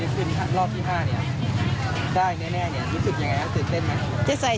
ได้แน่นี่รู้สึกอย่างไรตื่นเต้นไหม